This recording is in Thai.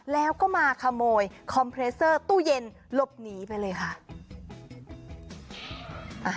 แล้วก็มาขโมยคอมเพรสเตอร์ตู้เย็นหลบหนีไปเลยค่ะ